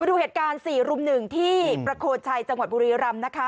มาดูเหตุการณ์สี่รุ่มหนึ่งที่ประโคชัยจังหวัดบุรีรัมน์นะคะ